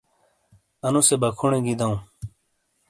اَنُوسے بَکُھونی گی دَوں۔